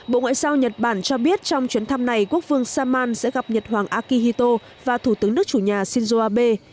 bộ ngoại giao nhật bản cho biết trong chuyến thăm này quốc vương salman sẽ gặp nhật hoàng akihito và thủ tướng nước chủ nhà shinzo abe